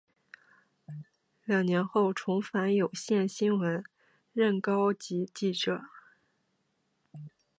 两年后重返有线新闻任高级记者。